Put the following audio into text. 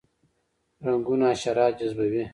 رنګونه حشرات جذبوي